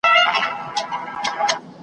کله به مار کله زمری کله به دود سو پورته `